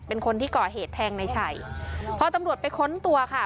เป็นคนที่ก่อเหตุแทงในชัยพอตำรวจไปค้นตัวค่ะ